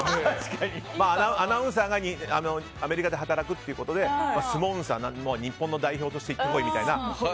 アナウンサーがアメリカで働くってことでスモウンサー、日本の代表として行ってこいみたいな。